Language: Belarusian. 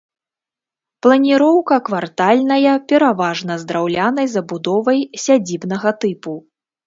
Планіроўка квартальная, пераважна з драўлянай забудовай сядзібнага тыпу.